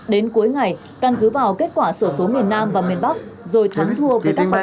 đến cuối ngày căn cứ vào kết quả sổ số miền nam và miền bắc rồi thắng thua về các bạn